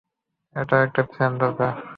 একটা প্ল্যান দরকার।